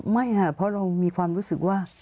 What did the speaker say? ไม่ค่ะเพราะเรามีความรู้สึกว่า